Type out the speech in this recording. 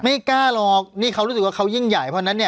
ไม่กล้าหรอกนี่เขารู้สึกว่าเขายิ่งใหญ่เพราะฉะนั้นเนี่ย